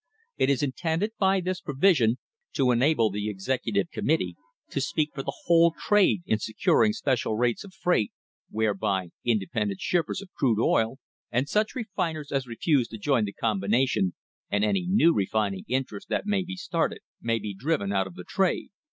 It is intended by this provision to enable the Executive Committee to speak for the whole trade in securing special rates of freight, whereby inde pendent shippers of crude oil, and such refiners as refuse to join the combination, and any new refining interest that may be started, may be driven out of the trade.